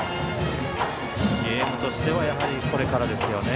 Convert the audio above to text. ゲームとしてはやはりこれからですよね。